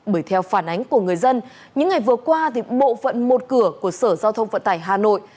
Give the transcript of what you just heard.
bởi theo phản ánh của người dân những ngày vừa qua thì bộ phận một cửa của sở giao thông vận tải hà nội